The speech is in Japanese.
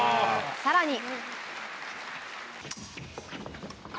さらに。